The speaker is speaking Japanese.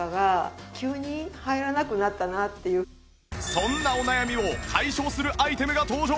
そんなお悩みを解消するアイテムが登場！